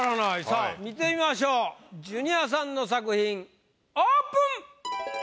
さぁ見てみましょうジュニアさんの作品オープン！